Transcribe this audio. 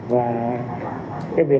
và cái việc này